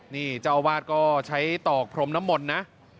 นี่เจ้าอาวาสก็ใช้ตอกพรมน้ำมนต์นะ